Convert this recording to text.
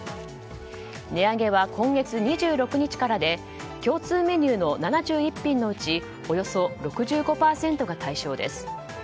値上げは今月２６日からで共通メニューの７１品のうちおよそ６５％が対象です。